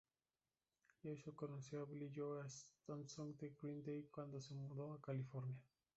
Jason conoció a Billie Joe Armstrong de Green Day cuando se mudó a California.